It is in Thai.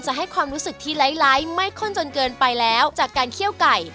ให้ความรู้สึกที่ไร้ไม่ข้นจนเกินไปแล้วจากการเคี่ยวไก่